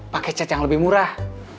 pakai cat yang lebih murah